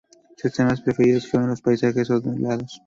Sus temas preferidos fueron los paisajes ondulados.